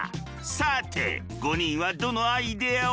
さて５人はどのアイデアを選ぶかな？